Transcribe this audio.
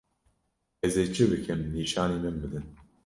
Ez ê çi bikim nîşanî min bidin.